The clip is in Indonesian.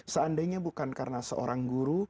seandainya bukan karena seorang guru